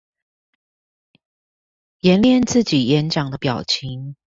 演練自己演講的表情